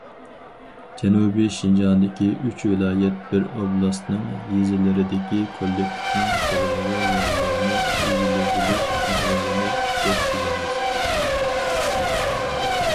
جەنۇبىي شىنجاڭدىكى ئۈچ ۋىلايەت، بىر ئوبلاستنىڭ يېزىلىرىدىكى كوللېكتىپنىڭ تېرىلغۇ يەرلىرىنى ئىگىلىۋېلىش ئەھۋالىنى كۈچەپ تۈزەيمىز.